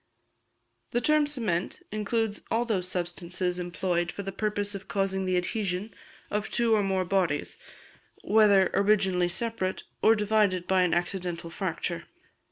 The term "cement" includes all those substances employed for the purpose of causing the adhesion of two or more bodies, whether originally separate, or divided by an accidental fracture.